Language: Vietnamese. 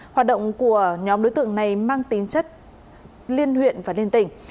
hoạt động của nhóm đối tượng này mang tính chất liên huyện và liên tỉnh